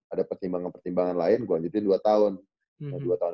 ada pertimbangan pertimbangan lain gue lanjutin dua tahun